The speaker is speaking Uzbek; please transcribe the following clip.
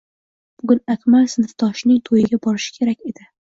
Bugun Akmal sinfdoshining tuyiga borishi kerak edi